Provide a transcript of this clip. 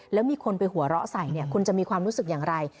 แล้วมีคนไปหัวเราะใส่เนี่ยคุณจะมีความรู้สึกอย่างไร